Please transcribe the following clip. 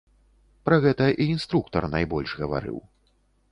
Пра гэта і інструктар найбольш гаварыў.